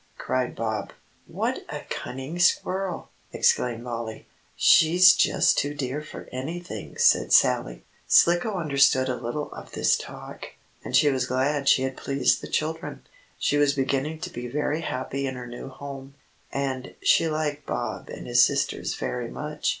cried Bob. "What a cunning squirrel!" exclaimed Mollie. "She's just too dear for anything," said Sallie. Slicko understood a little of this talk, and she was glad she had pleased the children. She was beginning to be very happy in her new home, and she liked Bob and his sisters very much.